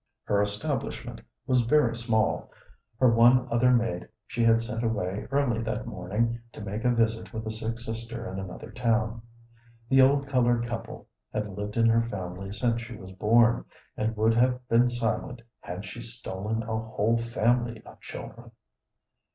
Her establishment was very small; her one other maid she had sent away early that morning to make a visit with a sick sister in another town. The old colored couple had lived in her family since she was born, and would have been silent had she stolen a whole family of children.